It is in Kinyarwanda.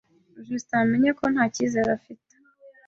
Justin yamenye ko nta cyizere afite.